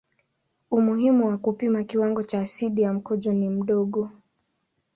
Umuhimu wa kupima kiwango cha asidi ya mkojo ni mdogo.